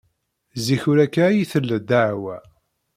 Zik ur akka ay tella ddeɛwa.